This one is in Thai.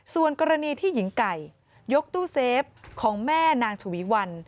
ส่วนกรณีที่หญิงไก่ยกตู้เซฟของแม่นางฉวีวัน